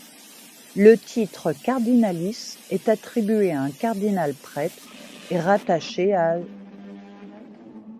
Le titre cardinalice est attribué à un cardinal-prêtre et rattaché à l'.